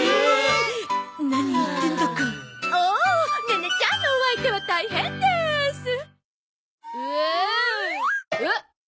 ネネちゃんのお相手は大変でーす。